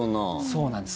そうなんです。